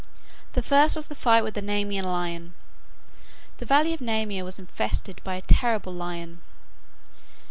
The first was the fight with the Nemean lion. The valley of Nemea was infested by a terrible lion.